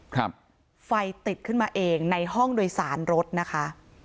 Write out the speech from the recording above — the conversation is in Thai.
ครับไฟติดขึ้นมาเองในห้องโดยสารรถนะคะ